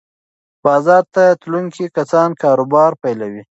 بازار ته تلونکي کسان کاروبار پیلوي.